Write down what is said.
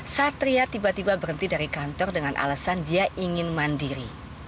satria tiba tiba berhenti dari kantor dengan alasan dia ingin mandiri